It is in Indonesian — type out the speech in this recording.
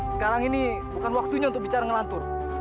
sekarang ini bukan waktunya untuk bicara ngelantur